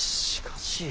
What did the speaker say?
しかし。